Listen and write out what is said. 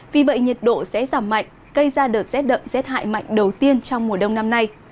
vì vậy nhiệt độ sẽ giảm mạnh gây ra đợt rét đậm rét hại mạnh đầu tiên trong mùa đông năm nay